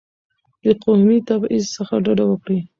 د قومي تبعیض څخه ډډه وکړئ.